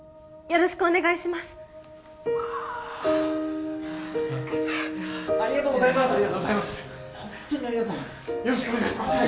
よろしくお願いします